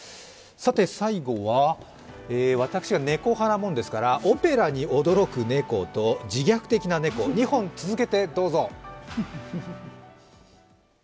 最後は私が猫派なものですからオペラに驚く猫と自虐的な猫、２本続けて、どうぞ。